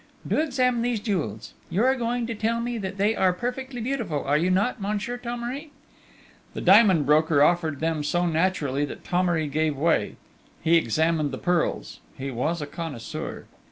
"Do examine these jewels! You are going to tell me that they are perfectly beautiful, are you not, Monsieur Thomery?" The diamond broker offered them so naturally that Thomery gave way. He examined the pearls: he was a connoisseur.